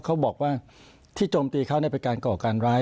เขาบอกว่าที่โจมตีเขาเป็นการก่อการร้าย